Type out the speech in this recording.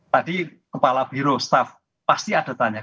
tadi kepala biro staff pasti ada tanya